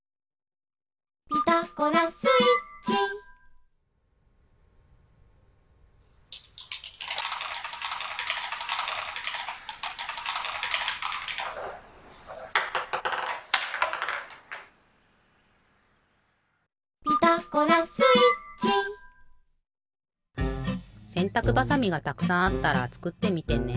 「ピタゴラスイッチ」「ピタゴラスイッチ」せんたくばさみがたくさんあったらつくってみてね。